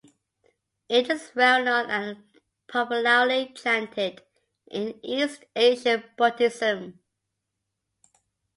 It is well-known and popularly chanted in East Asian Buddhism.